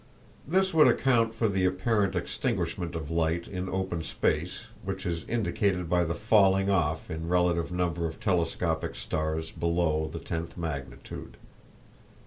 This would account for the apparent extinguishment of light in open space, which is indicated by the falling off in relative number of telescopic stars below the tenth magnitude.